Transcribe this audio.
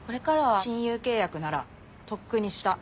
親友契約ならとっくにした。